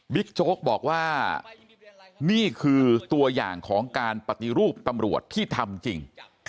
โจ๊กบอกว่านี่คือตัวอย่างของการปฏิรูปตำรวจที่ทำจริง